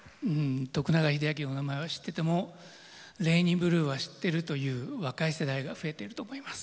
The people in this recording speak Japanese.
永明の名前は知ってても「レイニーブルー」は知ってるという若い世代が増えてると思います。